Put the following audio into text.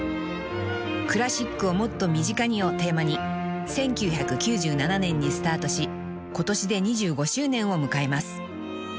［「クラシックをもっと身近に」をテーマに１９９７年にスタートし今年で２５周年を迎えます］